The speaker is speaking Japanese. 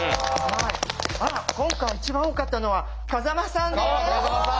あら今回一番多かったのは風間さんです。